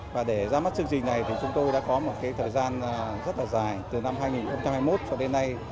và để ra mắt chương trình này thì chúng tôi đã có một cái thời gian rất là dài từ năm hai nghìn hai mươi một cho đến nay